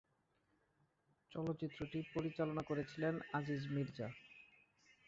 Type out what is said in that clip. চলচ্চিত্রটি পরিচালনা করেছিলেন আজিজ মির্জা।